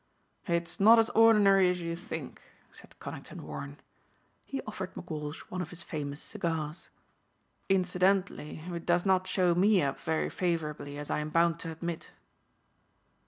"It's not as ordinary as you think," said Conington Warren. He offered McWalsh one of his famous cigars. "Incidentally it does not show me up very favorably as I'm bound to admit."